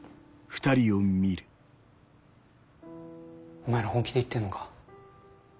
お前ら本気で言ってんのか？